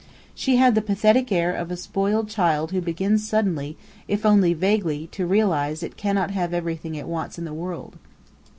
She had the pathetic air of a spoiled child who begins suddenly, if only vaguely, to realize that it cannot have everything it wants in the world.